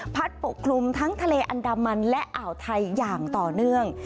ปกคลุมทั้งทะเลอันดามันและอ่าวไทยอย่างต่อเนื่อง